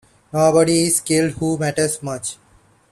Nobody is killed who matters much.